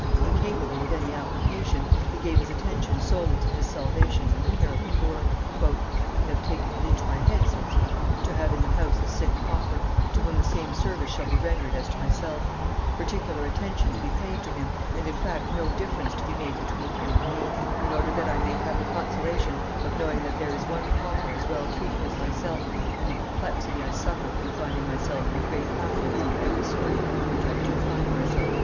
Incapable of any application, he gave his attention solely to his salvation and the care of the poor. "I have taken it into my head," says he, "to have in the house a sick pauper, to whom the same service shall be rendered as to myself; particular attention to be paid to him, and, in fact, no difference to be made between him and me, in order that I may have the consolation of knowing that there is one pauper as well treated as myself, in the perplexity I suffer from finding myself in the great affluence of every sort in which I do find myself."